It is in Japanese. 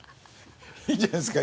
いいじゃないですか。